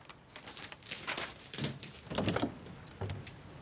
あ